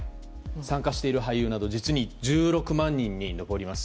参加している俳優など実に１６万人に上ります。